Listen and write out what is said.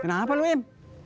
kenapa lu em